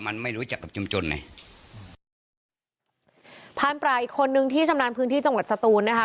ไม่รู้ยากนักคำพระพลายคนหนึ่งที่ชำนาญพื้นที่จังหวัดสตูนนะฮะ